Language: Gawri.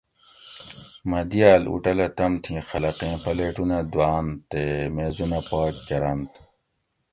مہ دیال ہوٹلہ تمتھی خلقیں پلیٹونہ دوآۤن تے میزونہ پاک کۤرنتھ